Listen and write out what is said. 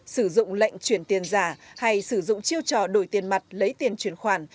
sử dụng lệnh chuyển tiền giả hay sử dụng chiêu trò đổi tiền mặt lấy tiền chuyển khoản